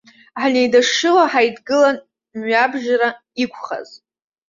Ҳнеидашшыло ҳаидгылан мҩабжара иқәхаз.